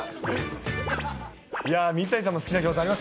水谷さんも好きなギョーザあ